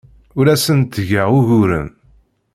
Ur asen-d-ttgeɣ uguren.